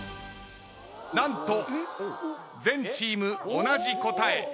何と全チーム同じ答え。